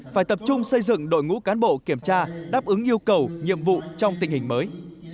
phải tập trung xây dựng đội ngũ cán bộ kiểm tra đáp ứng yêu cầu nhiệm vụ trong tình hình mới